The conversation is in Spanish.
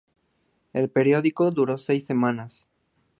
El periódico duró seis semanas.